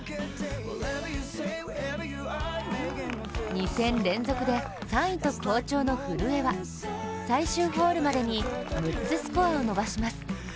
２戦連続で３位と好調の古江は最終ホールまでに６つスコアを伸ばします。